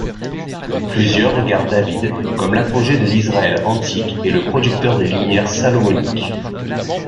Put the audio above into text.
Plusieurs regardent David comme l'apogée de l'Israël antique et le producteur des lumières salomoniques.